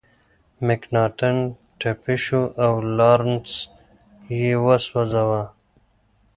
مکناتن ټپي شو او لارنس یې وسوځاوه.